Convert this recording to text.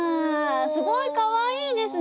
すごいかわいいですね！